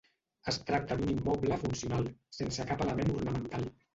Es tracta d'un immoble funcional, sense cap element ornamental.